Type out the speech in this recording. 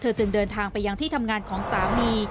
จึงเดินทางไปยังที่ทำงานของสามี